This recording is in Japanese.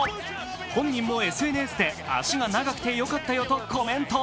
本人もＳＮＳで足が長くてよかったよとコメント。